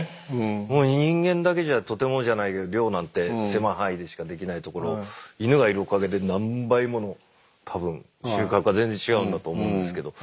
もう人間だけじゃとてもじゃないけど猟なんて狭い範囲でしかできないところをイヌがいるおかげで何倍もの多分収獲が全然違うんだと思うんですけど。